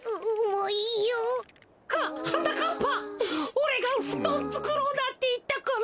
おれがふとんつくろうなんていったから。